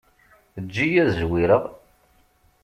Eǧǧ-iyi ad zwireɣ.